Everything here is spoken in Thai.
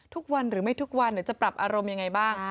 ทุกวันหรือไม่ทุกวันหรือจะปรับอารมณ์ยังไงบ้าง